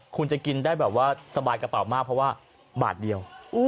คุณจะกินได้สบายกระเป๋าพอว่าบาทเดียว